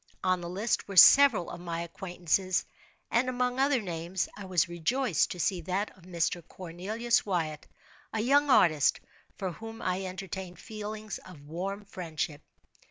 On the list were several of my acquaintances, and among other names, I was rejoiced to see that of Mr. Cornelius Wyatt, a young artist, for whom I entertained feelings of warm friendship.